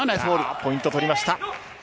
ポイント取りました。